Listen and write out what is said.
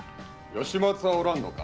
吉松はおらんのか？